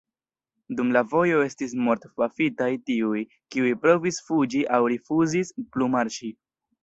Dum la vojo estis mortpafitaj tiuj, kiuj provis fuĝi aŭ rifuzis plu marŝi.